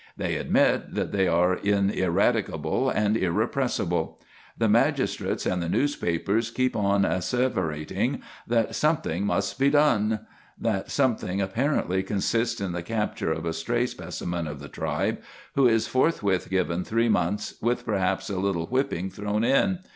They admit that they are ineradicable and irrepressible. The magistrates and the newspapers keep on asseverating that "something must be done." That something apparently consists in the capture of a stray specimen of the tribe, who is forthwith given three months, with perhaps a little whipping thrown in.